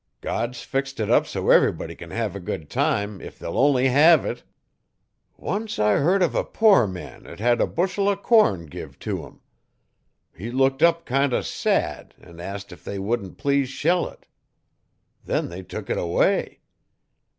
God's fixed it up so ev'ry body can hev a good time if they'll only hev it. Once I heard uv a poor man 'at hed a bushel o' corn give tew him. He looked up kind o' sad an' ast if they wouldn't please shell it. Then they tuk it away.